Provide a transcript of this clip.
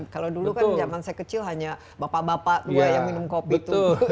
kalau dulu kan zaman saya kecil hanya bapak bapak dua yang minum kopi itu